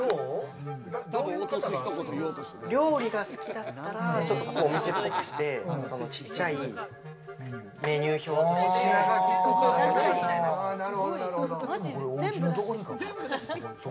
料理が好きだったらお店っぽくして、ちっちゃいメニュー表として書くみたいな。